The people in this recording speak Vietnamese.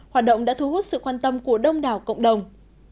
hoạt động đã thu hút sự quan tâm của đông đảo cộng đồng